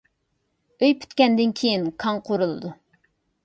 ئۆي پۈتكەندىن كېيىن كاڭ قۇرۇلىدۇ.